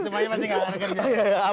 semuanya masih gak kerja